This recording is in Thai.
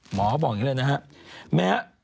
หมอบอกอย่างนี้เลยนะครับ